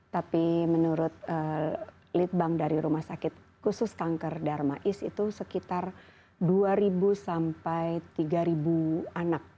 tapi menurut lead bank dari rumah sakit khusus kanker darmais itu sekitar dua sampai tiga anak